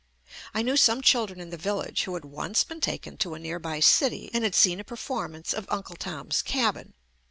I knew some children in the village who had once been taken to a nearby city and had seen a per formance of "Uncle Tom's Cabin."